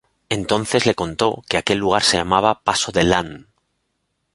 Entonces le contó que aquel lugar se llamaba Paso de Lan.